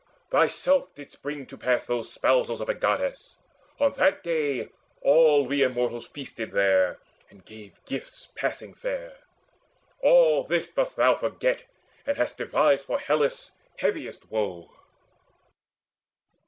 Thyself didst bring to pass Those spousals of a Goddess: on that day All we Immortals feasted there, and gave Gifts passing fair. All this dost thou forget, And hast devised for Hellas heaviest woe."